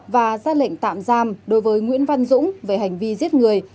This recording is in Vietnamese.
và ra lệnh tạm giam đối với nguyễn văn dũng về hành vi giết người